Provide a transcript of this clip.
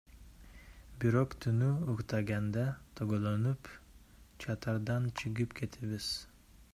Бирок түнү уктаганда тоголонуп чатырдан чыгып кетебиз.